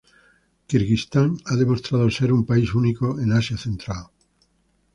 Kirguistán ha demostrado ser un país único en Asia Central.